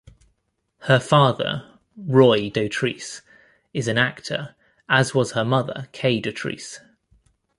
Her father Roy Dotrice is an actor, as was her mother Kay Dotrice.